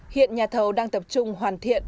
hiện nhà thầu đang tập trung hoàn thiện